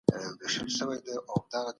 اسلام د سولي او رښتينولۍ دین دی.